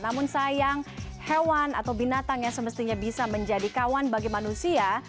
namun sayang hewan atau binatang yang semestinya bisa menjadi kawan bagi manusia